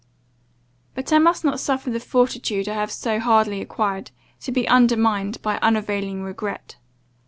"But I must not suffer the fortitude I have so hardly acquired, to be undermined by unavailing regret.